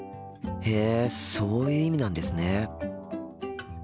へえそういう意味なんですね。